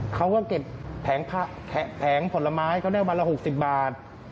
เขาก็เก็บแผงผลไม้เขาได้วันละ๖๐บาท